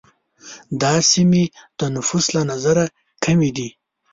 دا سیمې د نفوس له نظره کمي دي.